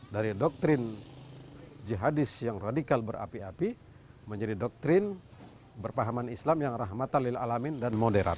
dari doktrin jihadis yang radikal berapi api menjadi doktrin berpahaman islam yang rahmatan lil alamin dan moderat